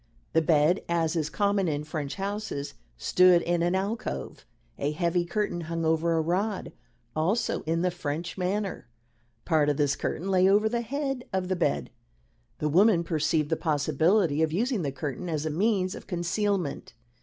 The bed, as is common in French houses, stood in an alcove. A heavy curtain hung over a rod, also in the French manner. Part of this curtain lay over the head of the bed. The woman perceived the possibility of using the curtain as a means of concealment.